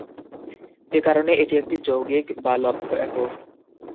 একারণে এটি একটি যৌগিক বা লব্ধ একক।